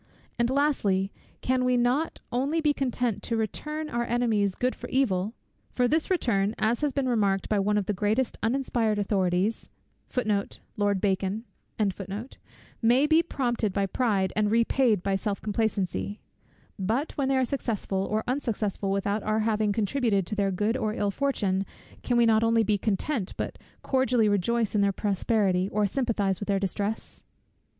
And lastly, can we not only be content to return our enemies good for evil, (for this return, as has been remarked by one of the greatest of uninspired authorities, may be prompted by pride and repaid by self complacency) but, when they are successful or unsuccessful without our having contributed to their good or ill fortune, can we not only be content, but cordially rejoice in their prosperity, or sympathize with their distresses?